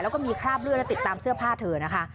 แล้วก็มีคราบเลือดและติดตามเสื้อผ้าเธอนะคะ